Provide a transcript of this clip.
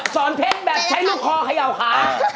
เพชรแบบใช้ลูกคอเขย่าขา